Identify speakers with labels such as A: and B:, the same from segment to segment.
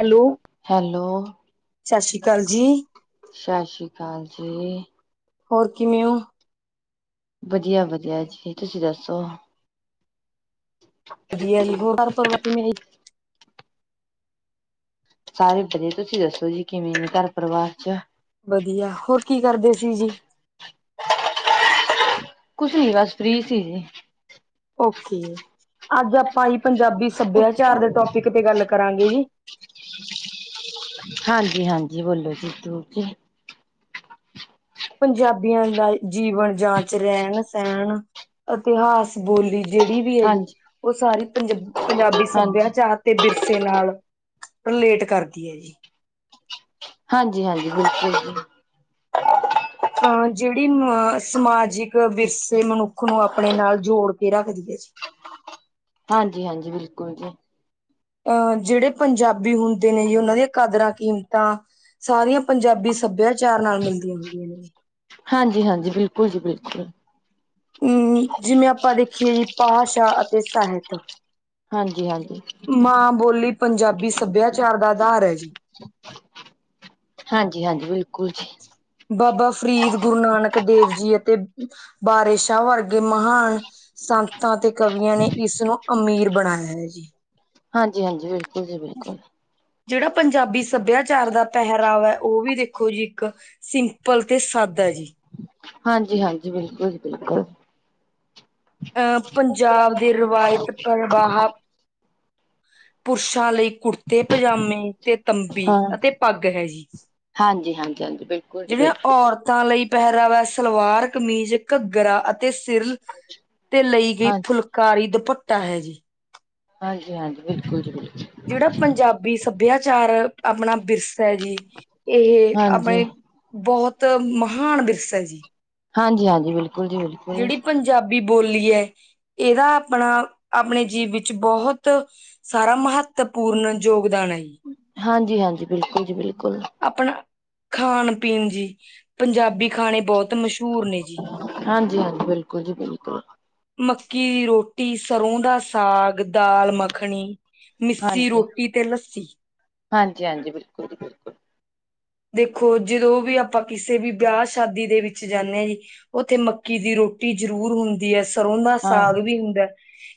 A: Hello,
B: hello,
A: ਸਤਿ ਸ਼੍ਰੀ ਅਕਾਲ ਜੀ।
B: ਸਤਿ ਸ੍ਰੀ ਅਕਾਲ ਜੀ।
A: ਹੋਰ ਕਿਵੇਂ ਹੋ?
B: ਵਧੀਆ ਵਧੀਆ ਜੀ ਤੁਸੀਂ ਦੱਸੋ?
A: ਵਧੀਆ ਜੀ ਹੋਰ ਘਰ ਪਰਿਵਾਰ ਕਿਵੇਂ ਆ ਜੀ।
B: ਸਾਰੇ ਵਧੀਆ ਤੁਸੀਂ ਦੱਸੋ ਜੀ ਕਿਵੇਂ ਨੇ ਘਰ ਪਰਿਵਾਰ ਚ?
A: ਵਧੀਆ ਹੋਰ ਕੀ ਕਰਦੇ ਸੀ ਜੀ। [inaudible]
B: ਕੁਛ ਨੀ ਬਸ ਫ੍ਰੀ ਸੀ ਜੀ।
A: ਓਕੇ ਜੀ ਅੱਜ ਆਪਾਂ ਜ ਪੰਜਾਬੀ ਸਭਿਆਚਾਰ ਦੇ ਟੋਪਿਕ ਤੇ ਗੱਲ ਕਰਾਂਗੇ ਜੀ।
B: ਹਾਂਜੀ ਹਾਂਜੀ, ਬੋਲੋ ਜੀ ਜ਼ਰੂਰ ਜੀ।
A: ਪੰਜਾਬੀਆਂ ਦਾ ਜੀਵਨ ਜਾਂਚ ਰਹਿਣ ਸਹਿਣ ਇਤਿਹਾਸ ਬੋਲੀ। ਜਿਹੜੀ ਵੀ ਹੈਗੀ ਉਹ ਸਾਰੀ ਪੰਜ ਪੰਜਾਬੀ
B: ਹਾਂਜੀ-ਹਾਂਜੀ।
A: ਸੱਭਿਆਚਾਰ ਤੇ ਵਿਰਸੇ ਨਾਲ ਰਿਲੇਟ ਕਰਦੀ ਐ ਜੀ।
B: ਹਾਂਜੀ ਹਾਂਜੀ, ਬਿਲਕੁਲ ਜੀ।
A: ਅਹ ਜਿਹੜੀ ਅ ਸਮਾਜਿਕ ਵਿਰਸੇ ਮਨੁੱਖ ਨੂੰ ਆਪਣੇ ਨਾਲ ਜੋੜ ਕੇ ਰੱਖਦੀ ਐ ਜੀ।
B: ਹਾਂਜੀ ਹਾਂਜੀ ਬਿਲਕੁਲ ਜੀ।
A: ਅਹ ਜਿਹੜੇ ਪੰਜਾਬੀ ਹੁੰਦੇ ਨੇ ਜੀ ਉਹਨਾਂ ਦੀਆਂ ਕਦਰਾਂ ਕੀਮਤਾਂ ਸਾਰੀਆਂ ਪੰਜਾਬੀ ਸੱਭਿਆਚਾਰ ਨਾਲ ਮਿਲਦੀਆਂ ਹੁੰਦੀਆਂ ਨੇ।
B: ਹਾਂਜੀ ਹਾਂਜੀ, ਬਿਲਕੁਲ ਜੀ ਬਿਲਕੁਲ।
A: ਅਮ ਜਿਵੇਂ ਆਪਾਂ ਦੇਖੀਏ ਜੀ ਭਾਸ਼ਾ ਅਤੇ ਸਾਹਿਤ।
B: ਹਾਂਜੀ ਹਾਂਜੀ,
A: ਮਾਂ ਬੋਲੀ ਪੰਜਾਬੀ ਸੱਭਿਆਚਾਰ ਦਾ ਅਧਾਰ ਐ ਜੀ।
B: [unintelligible] ਹਾਂਜੀ ਹਾਂਜੀ, ਬਿਲਕੁਲ ਜੀ।
A: ਬਾਬਾ ਫਰੀਦ ਗੁਰੂ ਨਾਨਕ ਦੇਵ ਜੀ ਅਤੇ ਬਾਰਿਸ਼ ਸ਼ਾਹ ਵਰਗੇ ਮਹਾਨ ਸੰਤਾਂ ਤੇ ਕਵੀਆਂ ਨੇ ਇਸ ਨੂੰ ਅਮੀਰ ਬਣਾ ਲਿਆ ਐ ਜੀ।
B: ਹਾਂਜੀ-ਹਾਂਜੀ, ਬਿਲਕੁਲ ਜੀ ਬਿਲਕੁਲ।
A: ਜੇੜਾ ਪੰਜਾਬੀ ਸੱਭਿਆਚਾਰ ਦਾ ਪਹਿਰਾਵਾ ਐ ਉਹ ਵੀ ਦੇਖੋ ਜੀ ਇੱਕ ਸਿੰਪਲ ਤੇ ਸਾਦਾ ਜੀ।
B: ਹਾਂਜੀ ਹਾਂਜੀ, ਬਿਲਕੁਲ ਜੀ ਬਿਲਕੁਲ।
A: ਅਹ ਪੰਜਾਬ ਦੇ ਰਵਾਇਤ ਪ੍ਰਵਾਹ ਪੁਰਸ਼ਾਂ ਲਈ ਕੁੜਤੇ, ਪਜਾਮੇ ਤੇ ਤੰਬੀ
B: ਹਾਂ,
A: ਅਤੇ ਪੱਗ ਹੈ ਜੀ।
B: ਹਾਂਜੀ-ਹਾਂਜੀ, ਬਿਲਕੁਲ ਜੀ
A: ਜਿਹੜੀਆਂ
B: ਬਿਲਕੁਲ।
A: ਔਰਤਾਂ ਲਈ ਪਹਿਰਾਵਾ ਸਲਵਾਰ, ਕਮੀਜ਼, ਘੱਗਰਾ ਅਤੇ ਸਿਰਲ
B: ਅੱਛਾ।
A: ਤੇ ਲਈ ਗਈ ਫੁਲਕਾਰੀ ਦੁਪੱਟਾ ਹੈ ਜੀ।
B: ਹਾਂਜੀ-ਹਾਂਜੀ, ਬਿਲਕੁਲ ਜੀ ਬਿਲਕੁਲ।
A: ਜੇੜਾ ਪੰਜਾਬੀ ਸਭਿਆਚਾਰ ਅਪਣਾ ਵਿਰਸਾ ਹੈ ਜੀ ਇਹ
B: ਹਾਂਜੀ।
A: ਅਪਣੇ ਬਹੁਤ ਮਹਾਨ ਵਿਰਸ ਐ ਜੀ।
B: ਹਾਂਜੀ-ਹਾਂਜੀ, ਬਿਲਕੁਲ ਜੀ ਬਿਲਕੁਲ।
A: ਜੇੜੀ ਪੰਜਾਬੀ ਬੋਲੀ ਐ ਇਹਦਾ ਅਪਣਾ ਅਪਣੇ ਜੀਵ ਇਚ ਬਹੁਤ ਸਾਰਾ ਮਹੱਤਵਪੂਰਨ ਯੋਗਦਾਨ ਹੈ ਜੀ।
B: ਹਾਂਜੀ-ਹਾਂਜੀ, ਬਿਲਕੁਲ ਜੀ ਬਿਲਕੁਲ।
A: ਅਪਣਾ ਖਾਣ-ਪੀਣ ਜੀ, ਪੰਜਾਬੀ ਖਾਣੇ ਬੌਤ ਮਸ਼ਹੂਰ ਨੇ ਜੀ।
B: ਹਾਂਜੀ-ਹਾਂਜੀ, ਬਿਲਕੁਲ ਜੀ ਬਿਲਕੁਲ।
A: ਮੱਕੀ ਦੀ ਰੋਟੀ, ਸਰ੍ਹੋਂ ਦਾ ਸਾਗ, ਦਾਲ-ਮੱਖਣੀ ਮਿੱਸੀ
B: ਹਾਂਜੀ,
A: ਰੋਟੀ ਤੇ ਲੱਸੀ
B: ਹਾਂਜੀ-ਹਾਂਜੀ, ਬਿਲਕੁਲ ਜੀ ਬਿਲਕੁਲ।
A: ਦੇਖੋ ਜਦੋਂ ਵੀ ਅਪਾਂ ਕਿਸੇ ਵੀ ਵਿਆਹ ਸ਼ਾਦੀ ਦੇ ਵਿੱਚ ਜਾਣੇ ਆ ਜੀ ਉੱਥੇ ਮੱਕੀ ਦੀ ਰੋਟੀ ਜ਼ਰੂਰ ਹੁੰਦੀ ਐ ਤਰੋਂ ਦਾ
B: ਹਾਂ,
A: ਸਾਗ ਵੀ ਹੁੰਦਾ,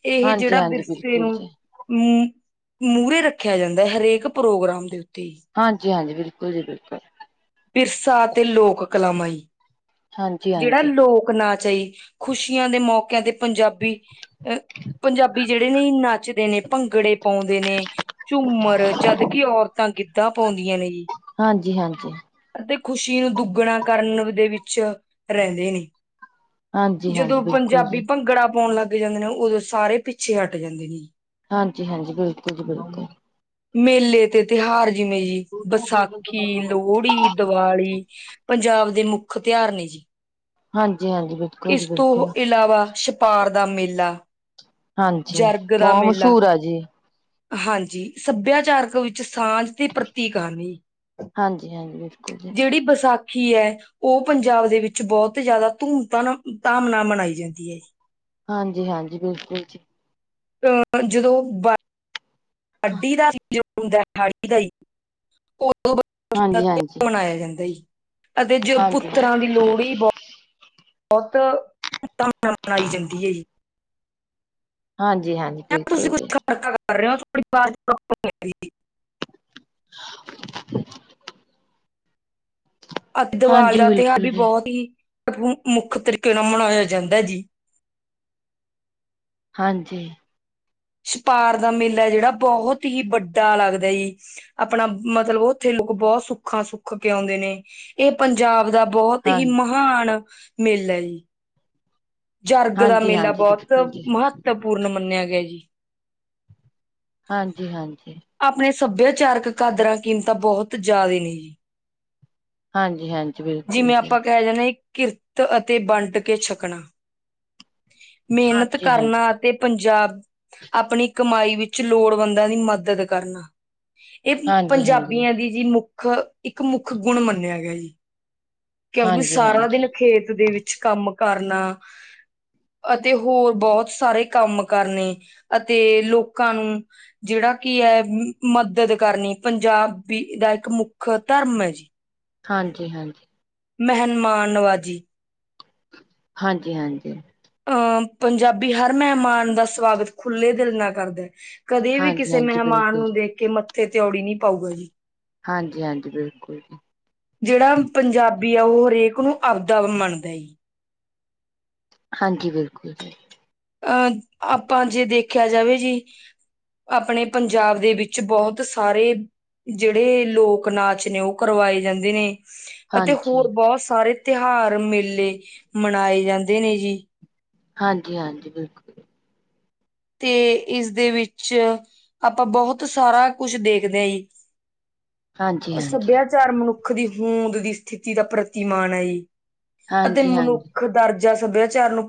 A: ਇਹ ਜੇੜਾ
B: ਹਾਂਜੀ-ਹਾਂਜੀ,
A: ਵਿਰਸੇ
B: ਬਿਲਕੁਲ
A: ਨੂੰ
B: ਜੀ।
A: ਮੁ ਮੂਹਰੇ ਰੱਖਿਆ ਜਾਂਦਾ ਐ ਹਰੇਕ ਪ੍ਰੋਗਰਾਮ ਦੇ ਉੱਤੇ ਈ।
B: ਹਾਂਜੀ-ਹਾਂਜੀ, ਬਿਲਕੁਲ ਜੀ ਬਿਲਕੁਲ।
A: ਵਿਰਸਾ ਅਤੇ ਲੋਕ ਕਲਾਮਾਈ ਜੇੜਾ
B: ਹਾਂਜੀ-ਹਾਂਜੀ,
A: ਲੋਕ ਨਾਚ ਐ ਜੀ, ਖੁਸ਼ੀਆਂ ਦੇ ਮੌਕਿਆਂ ਤੇ ਪੰਜਾਬੀ ਅ ਪੰਜਾਬੀ ਜੇੜੇ ਨੇ ਨੱਚਦੇ ਨੇ, ਭੰਗੜੇ ਪਾਉਂਦੇ ਨੇ। ਝੂਮਰ ਜਦਕਿ ਔਰਤਾਂ ਗਿੱਧਾ ਪਾਉਂਦੀਆਂ ਨੇ ਜੀ।
B: ਹਾਂਜੀ-ਹਾਂਜੀ।
A: ਅਤੇ ਖੁਸ਼ੀ ਨੂੰ ਦੁੱਗਣਾ ਕਰਨ ਦੇ ਵਿੱਚ ਰਹਿੰਦੇ ਨੇ।
B: ਹਾਂਜੀ-ਹਾਂਜੀ,
A: ਜਦੋਂ
B: ਬਿਲਕੁਲ
A: ਪੰਜਾਬੀ
B: ਜੀ,
A: ਭੰਗੜਾ ਪਾਉਣ ਲੱਗ ਜਾਂਦੇ ਨੇ ਉਦੋਂ ਸਾਰੇ ਪਿੱਛੇ ਹਟ ਜਾਂਦੇ ਨੇ।
B: ਹਾਂਜੀ-ਹਾਂਜੀ, ਬਿਲਕੁਲ ਜੀ ਬਿਲਕੁਲ।
A: ਮੇਲੇ ਤੇ ਤਿਉਹਾਰ ਜਿਵੇਂ ਜੀ ਵਿਸਾਖੀ, ਲੋ ਹੜੀ, ਦੀਵਾਲੀ ਪੰਜਾਬ ਦੇ ਮੁੱਖ ਤਿਉਹਾਰ ਨੇ ਜੀ।
B: ਹਾਂਜੀ-ਹਾਂਜੀ। ਬਿਲਕੁਲ
A: ਇਸ
B: ਜੀ
A: ਤੋਂ
B: ਬਿਲਕੁਲ,
A: ਇਲਾਵਾ ਛਪਾਰ ਦਾ ਮੇਲਾ
B: ਹਾਂਜੀ,
A: ਜਰਗ ਦਾ
B: ਬੌ
A: ਮੇਲਾ
B: ਮਸ਼ੂਰ ਆ ਜੀ।
A: ਹਾਂਜੀ, ਸੱਭਿਆਚਾਰਕ ਵਿੱਚ ਸਾਂਝ ਤੇ ਪ੍ਰਤੀਕਰਨੀ
B: ਹਾਂਜੀ-ਹਾਂਜੀ, ਬਿਲਕੁਲ ਜੀ,
A: ਜੇੜੀ ਵਿਸਾ ਸਾਖੀ ਐ, ਉਹ ਪੰਜਾਬ ਦੇ ਵਿੱਚ ਬਹੁਤ ਜੈਦਾ ਧੂਮ ਧਨਾ ਧਾਮ ਨਾਲ ਮਨਾਈ ਜਾਂਦੀ ਐ ਜੀ।
B: ਹਾਂਜੀ-ਹਾਂਜੀ, ਬਿਲਕੁਲ ਜੀ।
A: [unintelligible] ਉ ਦਾ
B: ਹਾਂਜੀ-ਹਾਂਜੀ।
A: ਤਿਉਹਾਰ ਮਨਾਇਆ ਜਾਂਦਾ ਸੀ [unintelligible] ਅਤੇ ਜੋ ਪੁੱਤਰਾਂ
B: ਹਾਂਜੀ-ਹਾਂਜੀ
A: ਦੀ
B: ਬਿਲਕੁਲ।
A: ਲੋੜ ਈ ਬੌ ਬਹੁਤ ਧੁਮਧਾਮ ਨਾਲ ਮਨਾਈ ਜਾਂਦੀ ਐ ਜੀ।
B: ਹਾਂਜੀ ਹਾਂਜੀ
A: ਮ ਤੁਸੀਂ ਕੁਛ ਖਰਕਾ ਕਰ ਰਹੇ ਹੋ ਤੁਹਾ
B: [unintelligible]
A: ਅਤੇ ਦੀਵਾਲੀ
B: ਹਾਂਜੀ
A: ਦਾ ਤਿਉਹਾਰ
B: ਬਿਲਕੁਲ
A: ਵੀ
B: ਜੀ,
A: ਬਹੁਤ ਹੀ ਮੁੱਖ ਤਰੀਕੇ ਨਾਲ ਮਨਾਇਆ ਜਾਂਦਾ ਹੈ ਜੀ
B: ਹਾਂਜੀ
A: ਛਪਾਰ ਦਾ ਮੇਲਾ ਜਿਹੜਾ ਬਹੁਤ ਹੀ ਵੱਡਾ ਲੱਗਦਾ ਜੀ ਆਪਣਾ ਮਤਲਬ ਉੱਥੇ ਲੋਕ ਬਹੁਤ ਸੁੱਖਾ ਸੁੱਖ ਕੇ ਆਉਂਦੇ ਨੇ ਇਹ ਪੰਜਾਬ ਦਾ ਬਹੁਤ ਹੀ ਮਹਾਨ ਮੇਲਾ ਹੈ ਜੀ ਜਰਗ ਦਾ ਮੇਲਾ
B: ਹਾਂਜੀ-ਹਾਂਜੀ
A: ਬਹੁਤ
B: ਬਿਲਕੁਲ ਜੀ,
A: ਮਹੱਤਵਪੂਰਨ ਮੰਨਿਆ ਗਿਆ ਜੀ
B: ਹਾਂਜੀ ਹਾਂਜੀ
A: ਆਪਣੇ ਸੱਭਿਆਚਾਰਕ ਕਾਦਰਾਂ ਕੀਮਤਾਂ ਬਹੁਤ ਜ਼ਿਆਦਾ ਨੇ ਜੀ
B: ਹਾਂਜੀ ਹਾਂਜੀ ਬਿਲਕੁਲ
A: ਜਿਵੇਂ
B: ਜੀ
A: ਆਪਾਂ ਕਹਿ ਜਾਣੇ ਕਿਰਤ ਅਤੇ ਵੰਡ ਕੇ ਛਕਣਾ ਮਿਹਨਤ ਕਰਨਾ
B: ਹਾਂਜੀ-ਹਾਂਜੀ,
A: ਤੇ ਪੰਜਾਬ ਆਪਣੀ ਕਮਾਈ ਵਿੱਚ ਲੋੜਵੰਦਾਂ ਦੀ ਮਦਦ ਕਰਨਾ ਇਹ
B: ਹਾਂਜੀ-ਹਾਂਜੀ,
A: ਪੰਜਾਬੀਆਂ ਦੀ ਜੀ ਮੁੱਖ ਇੱਕ ਮੁੱਖ ਗੁਣ ਮੰਨਿਆ ਗਿਆ ਜੀ ਕਿਉਂਕਿ ਸਾਰਾ
B: ਹਾਂਜੀ-ਹਾਂਜੀ,
A: ਦਿਨ ਖੇਤ ਦੇ ਵਿੱਚ ਕੰਮ ਕਰਨਾ ਅਤੇ ਹੋਰ ਬਹੁਤ ਸਾਰੇ ਕੰਮ ਕਰਨੇ ਅਤੇ ਲੋਕਾਂ ਨੂੰ ਜਿਹੜਾ ਕੀ ਹੈ ਮਦਦ ਕਰਨੀ ਪੰਜਾਬੀ ਦਾ ਇੱਕ ਮੁੱਖ ਧਰਮ ਹੈ ਜੀ
B: ਹਾਂਜੀ ਹਾਂਜੀ
A: ਮਹਨਮਾਨਵਾਜੀ
B: ਹਾਂਜੀ ਹਾਂਜੀ
A: ਅਹ ਪੰਜਾਬੀ ਹਰ ਮਹਿਮਾਨ ਦਾ ਸਵਾਗਤ ਖੁੱਲ੍ਹੇ ਦਿਲ ਨਾਲ ਕਰਦਾ ਕਦੇ ਵੀ ਕਿਸੇ
B: ਹਾਂਜੀ-ਹਾਂਜੀ
A: ਮਹਿਮਾਨ
B: ਬਿਲਕੁਲ
A: ਨੂੰ
B: ਜੀ,
A: ਦੇਖ ਕੇ ਮੱਥੇ ਤਉੜੀ ਨਹੀ ਪਾਊਗਾ ਜੀ
B: ਹਾਂਜੀ ਹਾਂਜੀ ਬਿਲਕੁਲ ਜੀ
A: ਜਿਹੜਾ ਪੰਜਾਬੀ ਆ ਉਹ ਹਰੇਕ ਨੂੰ [unintelligible] ਮੰਨਦਾ
B: ਹਾਂਜੀ ਬਿਲਕੁਲ ਜੀ
A: ਅਹ ਆਪਾਂ ਜੇ ਦੇਖਿਆ ਜਾਵੇ ਜੀ ਆਪਣੇ ਪੰਜਾਬ ਦੇ ਵਿੱਚ ਬਹੁਤ ਸਾਰੇ ਜਿਹੜੇ ਲੋਕ ਨਾਚ ਨੇ ਉਹ ਕਰਵਾਏ ਜਾਂਦੇ ਨੇ ਅਤੇ ਹੋਰ
B: ਹਾਂਜੀ,
A: ਬਹੁਤ ਸਾਰੇ ਤਿਉਹਾਰ ਮੇਲੇ ਮਨਾਏ ਜਾਂਦੇ ਨੇ ਜੀ
B: ਹਾਂਜੀ ਹਾਂਜੀ ਬਿਲਕੁਲ
A: ਤੇ ਇਸਦੇ ਵਿੱਚ ਆਪਾਂ ਬਹੁਤ ਸਾਰਾ ਕੁਛ ਦੇਖਦੇ ਹਾਂ ਜੀ [inaudible] ਅ
B: ਹਾਂਜੀ-ਹਾਂਜੀ।
A: ਸੱਭਿਆਚਾਰ ਮਨੁੱਖ ਦੀ ਹੋਂਦ ਦੀ ਸਥਿਤੀ ਦਾ ਪ੍ਰਤੀਮਾਨ ਹੈ ਜੀ ਅਤੇ
B: ਹਾਂਜੀ-ਹਾਂਜੀ,
A: ਮਨੁੱਖ ਦਰਜਾ ਸੱਭਿਆਚਾਰ ਨੂੰ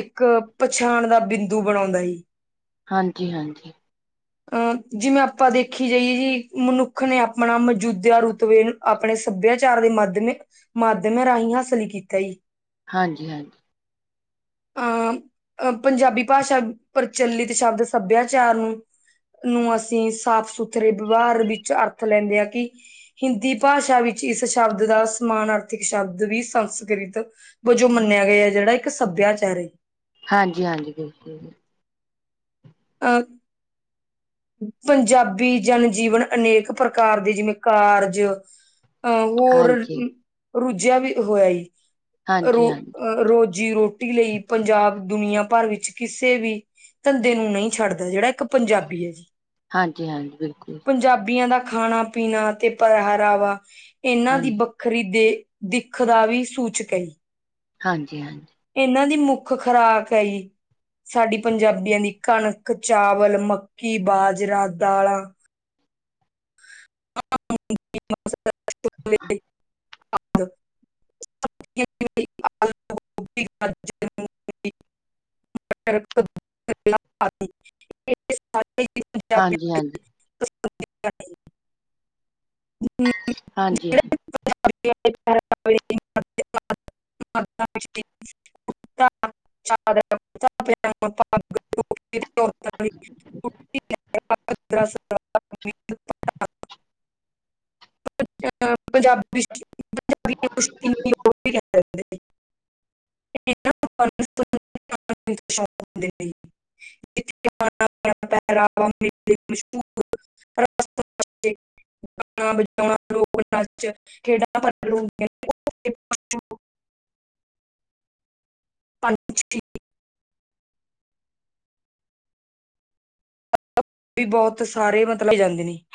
A: ਇੱਕ ਪਛਾਣ ਦਾ ਬਿੰਦੂ ਬਣਾਉਂਦਾ ਸੀ
B: ਹਾਂਜੀ ਹਾਂਜੀ
A: ਅਹ ਜਿਵੇਂ ਆਪਾਂ ਦੇਖੀ ਜਾਈਏ ਜੀ ਮਨੁੱਖ ਨੇ ਆਪਣਾ ਮੌਜੂਦਾ ਰੁਤਬੇ ਆਪਣੇ ਸੱਭਿਆਚਾਰ ਦੇ ਮਾਧਿਮ ਮਾਧਿਅਮਾਂ ਰਾਹੀਂ ਹਾਸਲ ਕੀਤਾ ਜੀ
B: ਹਾਂਜੀ ਹਾਂਜੀ
A: ਅ ਪੰਜਾਬੀ ਭਾਸ਼ਾ ਪ੍ਰਚਲਿਤ ਸ਼ਬਦ ਸੱਭਿਆਚਾਰ ਨੂੰ ਨੂੰ ਅਸੀਂ ਸਾਫ ਸੁਥਰੇ ਵਿਵਹਾਰ ਵਿੱਚ ਅਰਥ ਲੈਂਦੇ ਹਾਂ ਕਿ ਹਿੰਦੀ ਭਾਸ਼ਾ ਵਿੱਚ ਇਸ ਸ਼ਬਦ ਦਾ ਸਮਾਨ ਅਰਥਿਕ ਸ਼ਬਦ ਵੀ ਸੰਸਕ੍ਰਿਤ ਵਜੋਂ ਮੰਨਿਆ ਗਿਆ ਹੈ ਜਿਹੜਾ ਇੱਕ ਸੱਭਿਆਚਾਰ
B: ਹਾਂਜੀ ਹਾਂਜੀ ਬਿਲਕੁਲ
A: ਅ [unintelligible] ਪੰਜਾਬੀ ਜਨਜੀਵਨ ਅਨੇਕ ਪ੍ਰਕਾਰ ਦੇ ਜਿਵੇਂ ਕਾਰਜ ਹੋਰ
B: ਹਾਂਜੀ।
A: ਰੁੱਝਿਆ ਵੀ ਹੋਇਆ ਰੁ
B: ਹਾਂਜੀ ਹਾਂਜੀ
A: ਰੋਜ਼ੀ-ਰੋਟੀ ਲਈ ਪੰਜਾਬ, ਦੁਨੀਆਂ ਭਰ ਵਿੱਚ ਕਿਸੇ ਵੀ ਧੰਦੇ ਨੂੰ ਨਹੀਂ ਛੱਡਦਾ ਜਿਹੜਾ ਇੱਕ ਪੰਜਾਬੀ ਹੈ ਜੀ।
B: ਹਾਂਜੀ-ਹਾਂਜੀ, ਬਿਲਕੁਲ।
A: ਪੰਜਾਬੀਆਂ ਦਾ ਖਾਣਾ ਪੀਣਾ ਤੇ ਪਹਿਰਾਵਾ ਇਹਨਾਂ ਦੀ
B: ਹਾਂਜੀ
A: ਬ ਖਰੀਦੇ ਦਿੱਖਦਾ ਵੀ ਸੂਚਕੇ
B: ਹਾਂਜੀ-ਹਾਂਜੀ।
A: ਏਨਾਂ ਦੀ ਮੁੱਖ ਖੁਰਾਕ ਹੈਗੀ, ਸਾਡੀ ਪੰਜਾਬੀਆਂ ਦੀ ਕਣਕ, ਚਾਵਲ, ਮੱਕੀ, ਬਾਜਰਾ, ਦਾਲਾਂ [unintelligible] [unintelligible] [unintelligible]
B: ਹਾਂਜੀ ਹਾਂਜੀ
A: ਾਬ [unintelligible]
B: ਹਾਂਜੀ
A: ਹ [unintelligible] [unintelligible] [unintelligible] ਦਰ [unintelligible] [unintelligible] ਪੰਜਾਬੀ ਪੰਜਾਬ [unintelligible] [unintelligible] ਪਸ਼ੂਰ [unintelligible] ਰਸ [unintelligible] ਕਿਹੜਾ [unintelligible] ਪੰ [unintelligible] ਵੀ ਬੋਤ ਸਾਰੇ ਮਤਲਬ ਹੀ ਜਾਂਦੇ ਨੇ